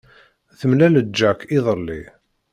Temlal-d Jack iḍelli.